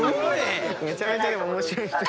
「めちゃめちゃ面白い人」